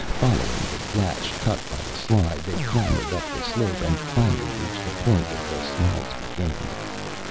Following the gash cut by the slide, they clambered up the slope and finally reached the point of the slide's beginning.